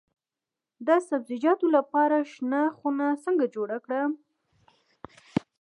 د سبزیجاتو لپاره شنه خونه څنګه جوړه کړم؟